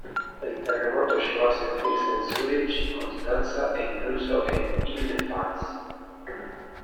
El terremoto llegó a sentirse en Zürich, Constanza e incluso en Île-de-France.